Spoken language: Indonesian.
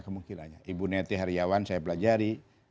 kemungkinanya ibu nettie heriawan saya pelajari